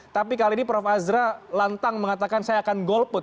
tapi kali ini prof azra lantang mengatakan saya akan golput